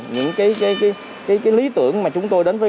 những lý tưởng mà chúng tôi đến với